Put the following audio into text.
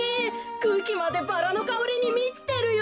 くうきまでバラのかおりにみちてるよ。